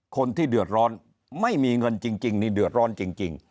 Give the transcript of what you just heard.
คนที่เดือดร้อนไม่มีเงินจริงนี่เดือดร้อนจริง